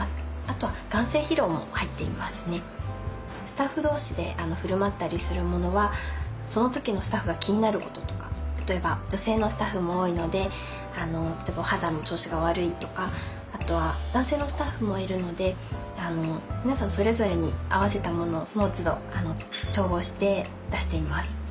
スタッフ同士で振る舞ったりするものはその時のスタッフが気になることとか例えば女性のスタッフも多いので例えばお肌の調子が悪いとかあとは男性のスタッフもいるので皆さんそれぞれに合わせたものをそのつど調合して出しています。